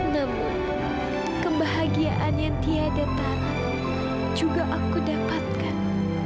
namun kebahagiaan yang tiada tanah juga aku dapatkan